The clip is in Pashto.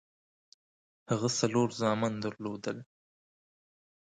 هغه څلور زامن درلودل.